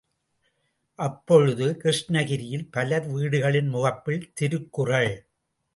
அப்பொழுது கிருஷ்ணகிரியில் பலர் வீடுகளின் முகப்பில் திருக்குறள்.